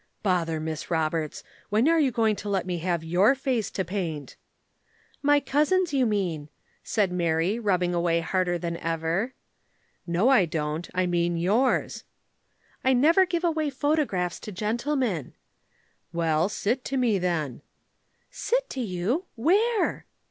"Bother Miss Roberts. When are you going to let me have your face to paint?" "My cousin's, you mean," said Mary, rubbing away harder than ever. "No, I don't. I mean yours." "I never give away photographs to gentlemen." "Well, sit to me then." "Sit to you! Where?"